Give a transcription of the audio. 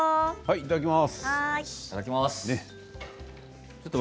いただきます。